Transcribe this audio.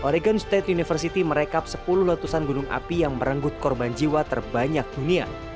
oregon state university merekap sepuluh ratusan gunung api yang merenggut korban jiwa terbanyak dunia